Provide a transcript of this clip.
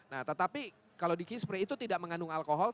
nah tetapi kalau di key spray itu tidak mengandung alkohol